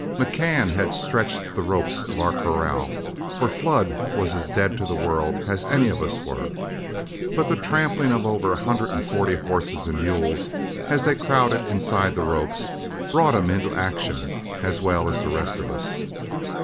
McCann had stretched the ropes of our corral, for Flood was as dead to the world as any of us were, but the tramping of over a hundred and forty horses and mules, as they crowded inside the ropes, brought him into action as well as the rest of us.